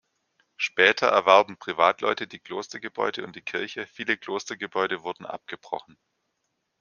Später erwarben Privatleute die Klostergebäude und die Kirche, viele Klostergebäude wurden abgebrochen.